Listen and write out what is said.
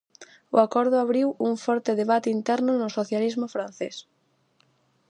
O acordo abriu un forte debate interno no socialismo francés.